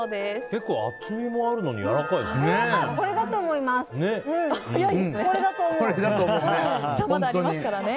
結構厚みもあるのにやわらかいですね。